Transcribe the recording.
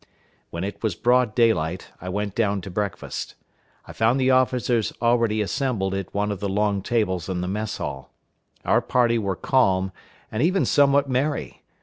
When it was broad daylight, I went down to breakfast. I found the officers already assembled at one of the long tables in the mess hall. Our party were calm, and even somewhat merry.